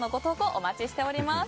お待ちしております。